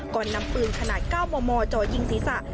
ก่อนนำปืนขนาด๙มมจ่อยิงศีรษะ